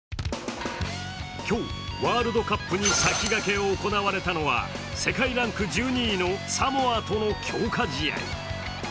今日、ワールドカップに先駆け行われたのは世界ランク１２位のサモアとの強化試合。